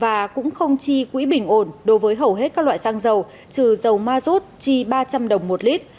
và cũng không chi quỹ bình ổn đối với hầu hết các loại xăng dầu trừ dầu ma rút chi ba trăm linh đồng một lít